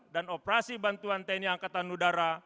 dan operasi bantuan tni angkatan udara